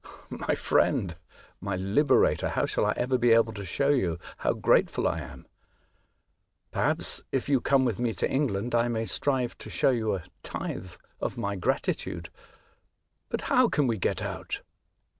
"My friend, my liberator, how shall I ever be able to show you how grateful I am ? Perhaps, if you come with me to England, I may strive to show you a tithe of my gratitude. But how can we get out